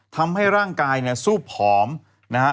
ทำให้ร่างกายเนี่ยสู้ผอมนะฮะ